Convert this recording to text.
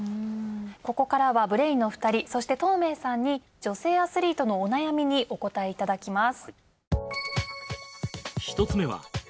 ここからはブレインのお二人そして東明さんに女性アスリートのお悩みにお答えいただきます。